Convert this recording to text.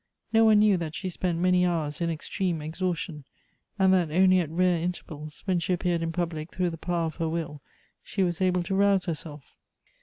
No one knew that she spent many hours in extreme exhaustion, and that only at rare inter _ vals, when she appeared in public through the power of her will, slie was able to rouse herself.